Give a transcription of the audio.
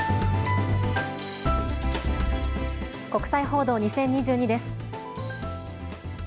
国際報道２０２２です。